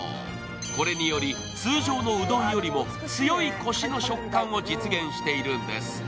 これにより、通常のうどんよりも強いこしの食感を実現しているんです。